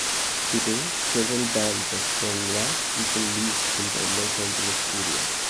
Today, several bands of Tongva people live in the Los Angeles area.